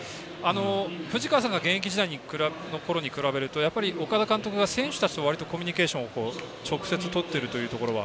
藤川さんが現役時代のころに比べるとやっぱり、岡田監督が選手たちと割とコミュニケーションを直接とっているというところは。